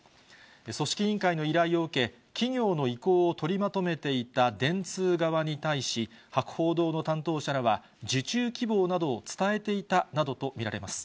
組織委員会の依頼を受け、企業の意向を取りまとめていた電通側に対し、博報堂の担当者らは、受注希望などを伝えていたなどと見られます。